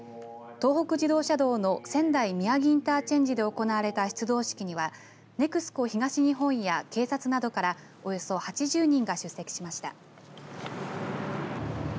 東北自動車道の仙台宮城インターチェンジで行われた出動式にはＮＥＸＣＯ東日本や警察などからおよそ８０人が出席しました。